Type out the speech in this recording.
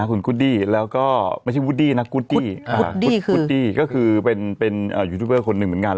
คุณกูดดี้แล้วก็ไม่ใช่วูดดี้นะกูดดี้กูดดี้ก็คือเป็นยูทูบเบอร์คนหนึ่งเหมือนกัน